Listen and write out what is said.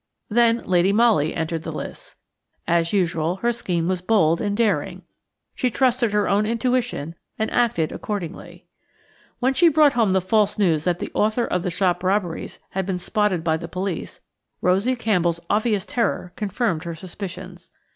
Then Lady Molly entered the lists. As usual, her scheme was bold and daring; she trusted her own intuition and acted accordingly. When she brought home the false news that the author of the shop robberies had been spotted by the police, Rosie Campbell's obvious terror confirmed her suspicions.